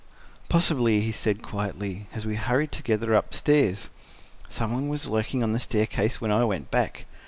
"Possibly," he said quietly, as we hurried together up the stairs. "Some one was lurking on the staircase when I went back.